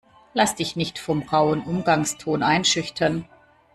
Lass dich nicht vom rauen Umgangston einschüchtern!